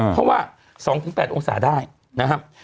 เพราะว่า๒๘องศาได้นะครับ